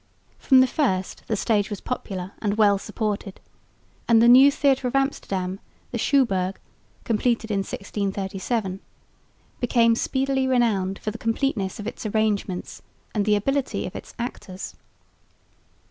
From the first the stage was popular and well supported; and the new theatre of Amsterdam, the Schouburg (completed in 1637), became speedily renowned for the completeness of its arrangements and the ability of its actors.